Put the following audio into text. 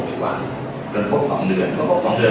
เล่าให้ฟังหน่อยนะในช่วงนั้นอ่ะที่เห็นคุณผมคุณต้องขอ